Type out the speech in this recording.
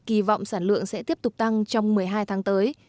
kỳ vọng sản lượng sẽ tiếp tục tăng trong một mươi hai tháng tới